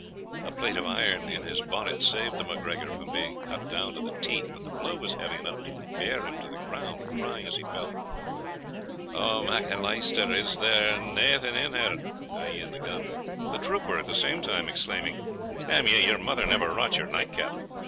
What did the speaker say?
A plate of iron in his bonnet saved the MacGregor from being cut down to the teeth; but the blow was heavy enough to bear him to the ground, crying as he fell, "Oh, Macanaleister, is there naething in her?" (i.e. in the gun). The trooper, at the same time, exclaiming, "D n ye, your mother never wrought your night cap!"